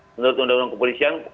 menurut undang undang kepolisian